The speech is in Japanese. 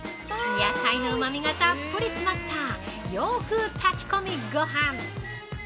◆野菜のうまみがたっぷり詰まった洋風炊き込みごはん。